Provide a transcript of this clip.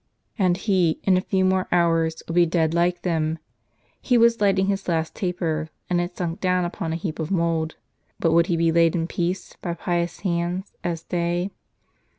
And he, in a few more hours, would be dead like them ; he was lighting his last taper, and had sunk down upon a heap of mould; but would he be laid in peace, by pious hands, as they?